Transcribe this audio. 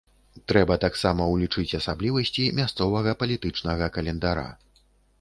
Трэба таксама ўлічыць асаблівасці мясцовага палітычнага календара.